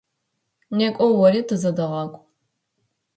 Некӏо ори, тызэдэгъакӏу!